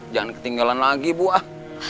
jangan ketinggalan lagi bu ah